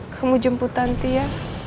kamu jemput tanti ya